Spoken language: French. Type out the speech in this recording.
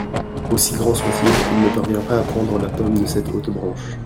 Aussi grand soit-il, il ne parvient pas à prendre la pomme de cette haute branche.